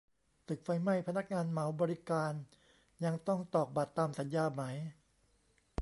ตึกไฟไหม้ พนักงานเหมาบริการยังต้องตอกบัตรตามสัญญาไหม ?